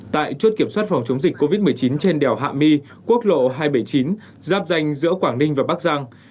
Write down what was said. tại chốt kiểm soát phòng chống dịch covid một mươi chín trên đèo hạ my quốc lộ hai trăm bảy mươi chín giáp danh giữa quảng ninh và bắc giang